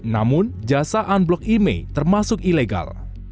namun jasa unblock email termasuk ilegal